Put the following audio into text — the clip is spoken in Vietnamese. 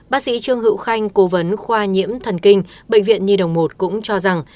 bác sĩ trương hữu khanh cố vấn khoa nhiễm thần kinh bệnh viện nhi đồng một cũng cho rằng